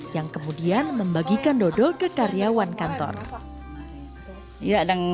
yang kemudian membagikan dodol ke karyawannya